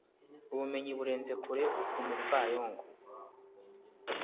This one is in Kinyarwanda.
ubumenyi burenze kure umupfayongo